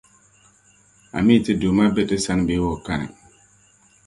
Amii Ti Duuma be ti sani bee o kani?